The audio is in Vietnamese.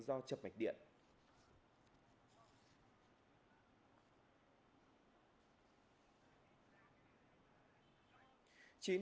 do chập mạch điện